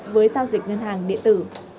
với giao dịch ngân hàng địa tử